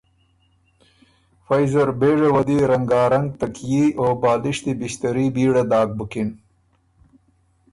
فئ زر بېژه وه دی رنګارنګ تکئي او بالِشتي بِݭتَري ویړه داک بُکِن۔